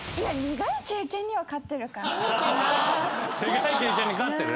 「苦い経験」に勝ってる？